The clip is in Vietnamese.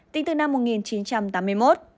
tính từ năm một nghìn chín trăm tám mươi một